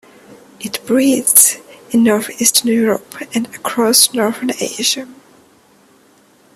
It breeds in north-eastern Europe and across northern Asia.